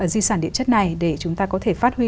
di sản địa chất này để chúng ta có thể phát huy